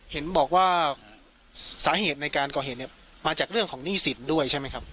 เห็นบอกว่าสาเหตุในการก่อเหตุเนี่ยมาจากเรื่องของหนี้สินด้วยใช่ไหมครับ